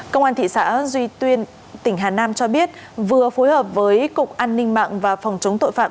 công an thị xã duy tuyên tỉnh hà nam cho biết vừa phối hợp với cục an ninh mạng và phòng chống tội phạm